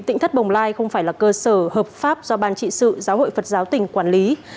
tỉnh thất bồng lai không phải là cơ sở hợp pháp do ban trị sự giáo hội phật giáo tỉnh quản lý